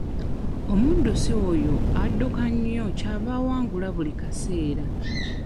Omuddusi oyo adduka nnyo ky'ava awangula buli kaseera.